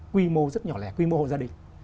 quy mô rất nhỏ lẻ quy mô hộ gia đình